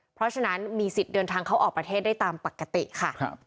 เพราะฉะนั้นมีสิทธิ์เดินทางเข้าออกประเทศได้ตามปกติค่ะ